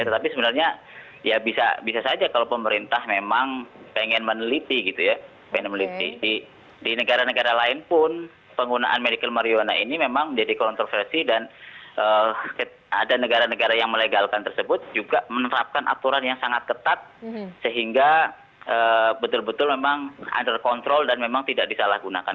tapi sebenarnya bisa saja kalau pemerintah memang ingin meneliti di negara negara lain pun penggunaan medical marijuana ini memang menjadi kontroversi dan ada negara negara yang melegalkan tersebut juga menerapkan aturan yang sangat ketat sehingga betul betul memang under control dan memang tidak disalahgunakan